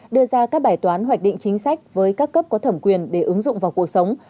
đưa ra các bài toán hoạch định chính sách với các cấp có thẩm quyền để ứng dụng vào cuộc sống